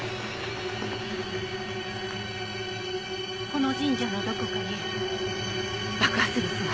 この神社のどこかに爆発物が。